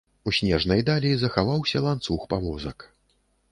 У снежнай далі захаваўся ланцуг павозак.